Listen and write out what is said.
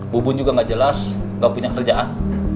bu bun juga gak jelas gak punya kerjaan